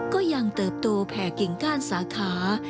เติบโตแผ่กิ่งก้านสาขา